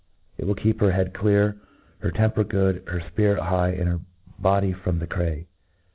It will keep her head clear, her temper good, her fpirit high, and her body from the cray.